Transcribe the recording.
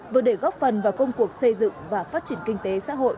vừa để góp phần vào công cuộc xây dựng và phát triển kinh tế xã hội